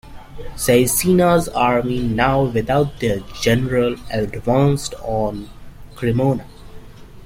Caecina's army, now without their general, advanced on Cremona.